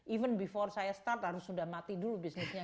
even before saya start harus sudah mati dulu bisnisnya